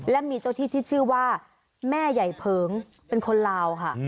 และมีเจ้าที่ที่ชื่อว่าแม่ใหญ่เผิงเป็นคนลาวค่ะ